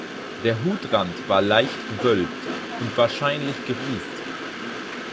Der Hutrand war leicht gewölbt und wahrscheinlich gerieft.